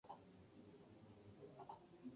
Trabajó mayormente en Núremberg.